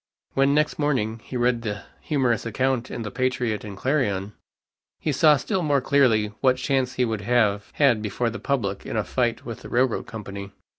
When next morning, he read the humorous account in the Patriot and Clarion, he saw still more clearly what chance he would have had before the public in a fight with the railroad company.